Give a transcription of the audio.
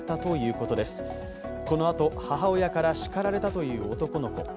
このあと母親から叱られたという男の子。